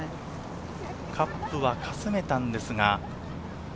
カップはかすめたのですが。